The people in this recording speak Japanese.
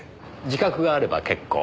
自覚があれば結構。